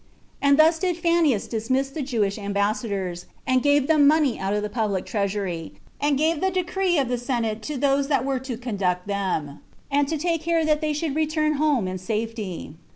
And thus did Fanius dismiss the Jewish ambassadors, and gave them money out of the public treasury; and gave the decree of the senate to those that were to conduct them, and to take care that they should return home in safety.